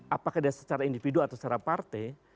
apakah dia secara individu atau secara partai